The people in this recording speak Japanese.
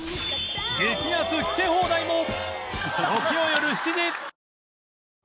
激安着せ放題も！